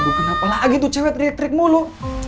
tahu kenapa lagi tuh cewek tertrik trik mulu